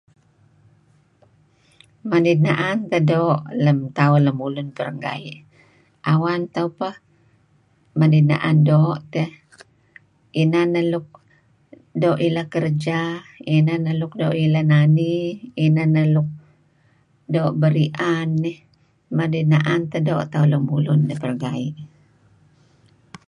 Manid na'an teh doo' tauh lemulun perenggai'. Awan tauh peh, manid na'an doo teh. Inan luk doo' ileh kerja, inan neh luk mileh nani, Inan neh luk doo' beri'an eh, manid na'an teh doo' tauh lemulun perenggai'